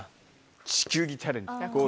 地球儀チャレンジゴー☆